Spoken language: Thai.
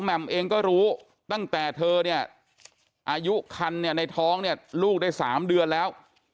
มเองก็รู้ตั้งแต่เธอเนี่ยอายุคันเนี่ยในท้องเนี่ยลูกได้๓เดือนแล้ว